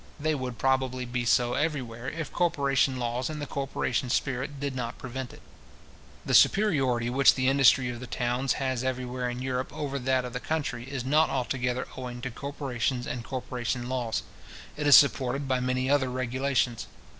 They would probably be so everywhere, if corporation laws and the corporation spirit did not prevent it. The superiority which the industry of the towns has everywhere in Europe over that of the country, is not altogether owing to corporations and corporation laws. It is supported by many other regulations.